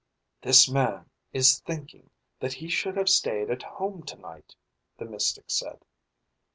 "This man is thinking that he should have stayed at home tonight," the mystic said.